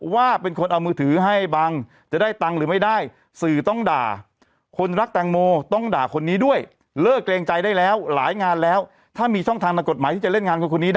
ว่าเป็นคนเอามือถือให้บัง